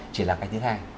chỉ là cách thứ hai